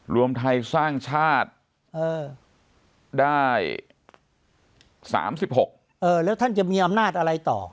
รวมไทยสร้างชาติได้๓๖แล้วท่านจะมีอำนาจอะไรต่อ